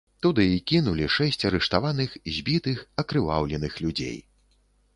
Туды і кінулі шэсць арыштаваных, збітых, акрываўленых людзей.